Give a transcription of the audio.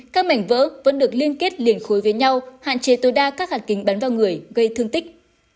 các mảnh vỡ vẫn được liên kết liền khối với nhau hạn chế tối đa các hạt kính bắn vào người gây thương tích